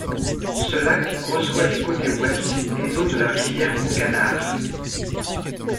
Ce lac reçoit du côté ouest les eaux de la rivière au Canard.